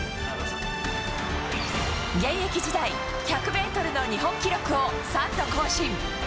現役時代、１００メートルの日本記録を３度更新。